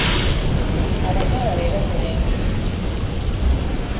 Abakyala be bakola ensi.